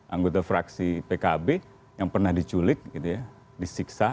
anggota fraksi pkb yang pernah diculik disiksa